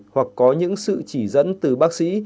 hoặc có những sự chỉ dẫn từ bác sĩ